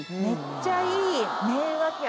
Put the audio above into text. めっちゃいい。